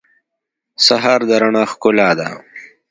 سهار د رڼا ښکلا ده.